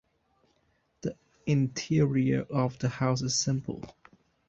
The interior of the house is simple.